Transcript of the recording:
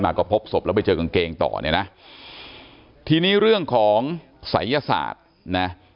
ก็พบศพแล้วไปเจอกางเกงต่อเนี่ยนะทีนี้เรื่องของศัยยศาสตร์นะ